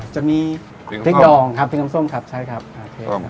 จะมีเท็กดองครับเท็กน้ำส้มครับใช่ครับ